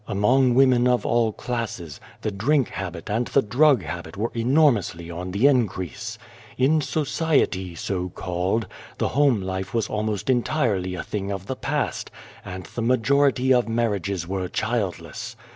Among women of all classes, the drink habit and the drug habit were enormously on the increase. In 'society/ so called, the home life was almost entirely a thing of the past, and the majority of marriages were childless.